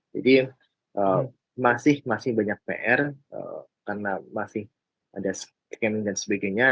jadi masih banyak pr karena masih ada scanning dan sebagainya